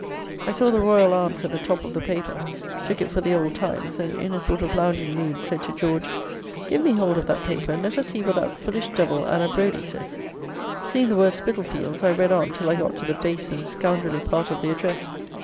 I saw the royal arms at the top of the paper; took it for the Old Times, and, in a sort of lounging mood, said to George, "Give me hold of that paper, and let us see what that foolish devil Anna Brodie says." Seeing the words "Spitalfields," I read on till I got to the base and scoundrelly part of the address.